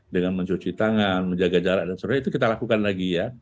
dengan mencuci tangan menjaga jarak dan sebagainya itu kita lakukan lagi ya